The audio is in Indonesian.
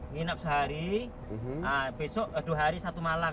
nginep sehari besok dua hari satu malam